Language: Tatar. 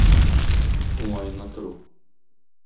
Уңаена тору.